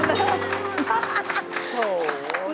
นอน